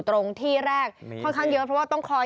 ตรงที่แรกค่อนข้างเยอะเพราะว่าต้องคอย